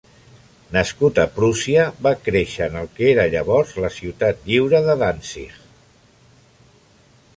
Nascut a Prússia, va créixer en el que era llavors la ciutat lliure de Danzig.